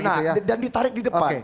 nah dan ditarik di depan